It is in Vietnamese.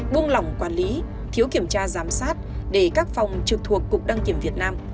buông lỏng quản lý thiếu kiểm tra giám sát để các phòng trực thuộc cục đăng kiểm việt nam